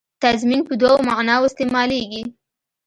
تضمین په دوو معناوو استعمالېږي.